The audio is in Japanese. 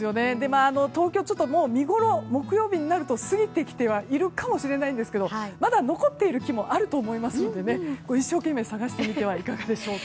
東京はちょっともう見ごろは木曜日になると過ぎているかもしれないですがまだ残っている日もあると思いますので一生懸命探してみてはいかがでしょうか。